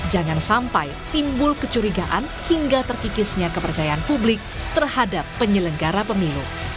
jangan sampai timbul kecurigaan hingga terkikisnya kepercayaan publik terhadap penyelenggara pemilu